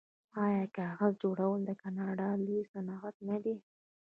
آیا کاغذ جوړول د کاناډا لوی صنعت نه دی؟